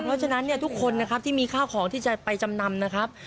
เพราะฉะนั้นเนี่ยทุกคนนะครับที่มีข้าวของที่จะไปจำนำนะครับ